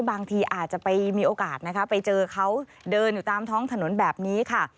บางทีอาจจะไปมีโอกาสนะคะไปเจอเขาเดินอยู่ตามท้องถนนแบบนี้ค่ะ